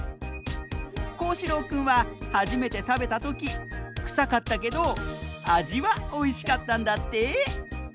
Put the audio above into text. こうしろうくんははじめてたべたときくさかったけどあじはおいしかったんだって。